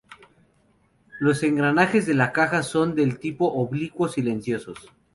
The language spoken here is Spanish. Los engranajes de la caja son del tipo oblicuo silenciosos.